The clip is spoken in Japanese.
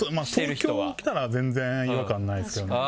東京来たら全然違和感ないですけどね。